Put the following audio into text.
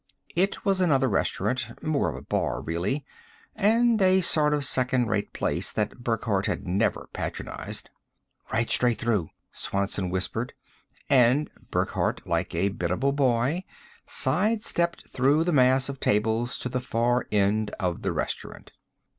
It was another restaurant more of a bar, really, and a sort of second rate place that Burckhardt had never patronized. "Right straight through," Swanson whispered; and Burckhardt, like a biddable boy, side stepped through the mass of tables to the far end of the restaurant.